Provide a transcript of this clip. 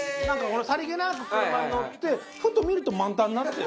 さりげなく車に乗ってふと見ると満タンになってる。